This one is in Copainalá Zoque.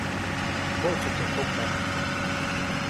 Koʼtsu teʼ pokaʼ.